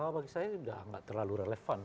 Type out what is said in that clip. bagi saya sudah tidak terlalu relevan